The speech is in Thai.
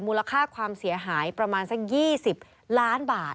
มูลค่าความเสียหายประมาณสัก๒๐ล้านบาท